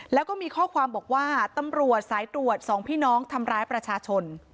แล้วก็มีข้อความบอกว่าตำรวจสายตรวจสองพี่น้องทำร้ายประชาชน